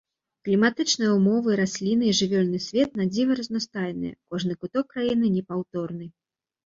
Кліматычныя ўмовы, раслінны і жывёльны свет надзіва разнастайныя, кожны куток краіны непаўторны.